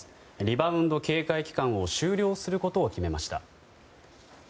リバウンド警戒期間を終了することを決めました。